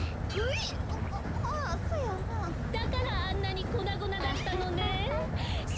だからあんなにこなごなだったのね。